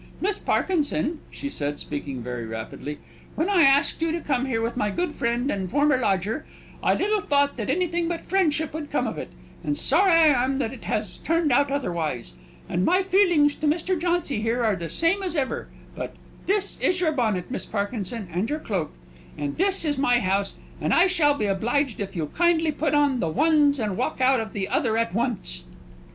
"Miss Parkinson," she said, speaking very rapidly, "when I asked you to come here with my good friend and former lodger, I little thought that anything but friendship would come of it; and sorry I am that it has turned out otherwise. And my feelings to Mr. Jauncy are the same as ever; but this is your bonnet, Miss Parkinson, and your cloak. And this is my house; and I shall be obliged if you'll kindly put on the ones, and walk out of the other at once!"